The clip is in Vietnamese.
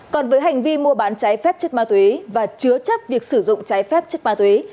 còn với hành vi mua bán trái phép chất ma túy và chứa chấp việc sử dụng trái phép chất ma túy